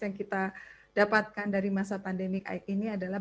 yang kita dapatkan dari masa pandemi ini adalah